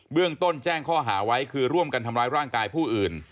เรื่องต้นแจ้งข้อหาไว้คือร่วมกันทำร้ายร่างกายผู้อื่น